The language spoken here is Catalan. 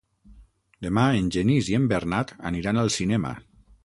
Dimarts en Genís i en Bernat aniran al cinema.